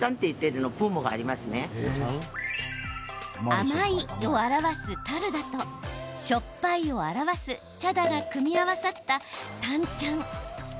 甘いを表すタルダとしょっぱいを表すチャダが組み合わさったタンチャン。